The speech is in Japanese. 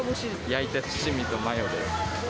焼いて七味とマヨで。